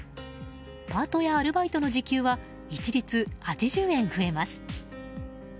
パートやアルバイトの時給は一律８０円増えます。